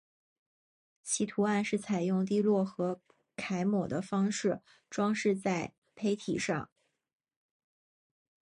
其图案是采用滴落和揩抹的方法装饰在坯体上。